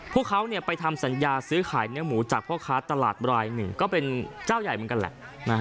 พวกเขาไปทำสัญญาซื้อขายเนื้อหมูจากพ่อค้าตลาดรายหนึ่งก็เป็นเจ้าใหญ่เหมือนกันแหละ